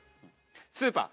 スーパー。